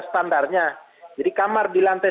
standarnya jadi kamar di lantai